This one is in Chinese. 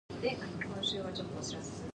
这种做法有什么影响